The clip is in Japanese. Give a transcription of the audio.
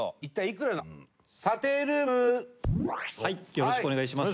よろしくお願いします。